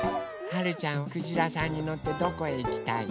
はるちゃんはくじらさんにのってどこへいきたい？